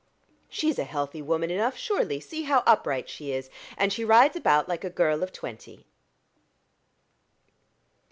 "She's a healthy woman enough, surely: see how upright she is, and she rides about like a girl of twenty."